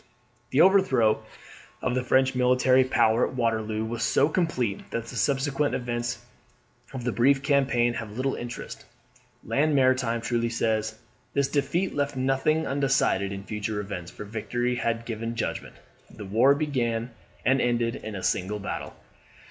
] The overthrow of the French military power at Waterloo was so complete, that the subsequent events of the brief campaign have little interest. Lamartine truly says: "This defeat left nothing undecided in future events, for victory had given judgment. The war began and ended in a single battle."